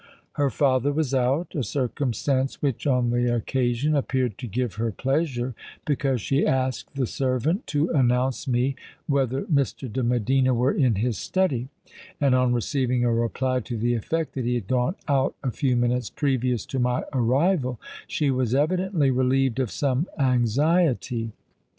Her father was out—a circumstance which, on the occasion, appeared to give her pleasure; because she asked the servant who announced me, whether Mr. de Medina were in his study; and on receiving a reply to the effect that he had gone out a few minutes previous to my arrival, she was evidently relieved of some anxiety.